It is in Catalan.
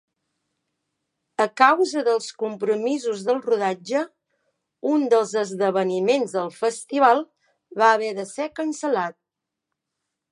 A causa dels compromisos del rodatge, un dels esdeveniments del festival va haver de ser cancel·lat.